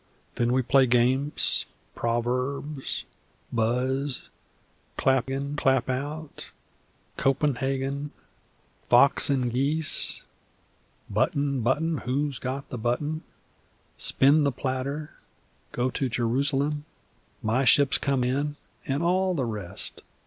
Then we play games, proverbs, buzz, clap in clap out, copenhagen, fox an' geese, button button who's got the button, spin the platter, go to Jerusalem, my ship's come in, and all the rest.